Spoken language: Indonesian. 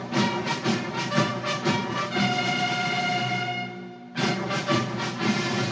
langkah teguh maju